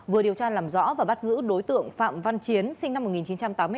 vừa điều tra làm rõ và bắt giữ đối tượng phạm văn chiến sinh năm một nghìn chín trăm tám mươi tám